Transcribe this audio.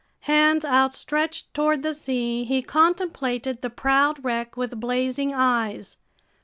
Hands outstretched toward the sea, he contemplated the proud wreck with blazing eyes.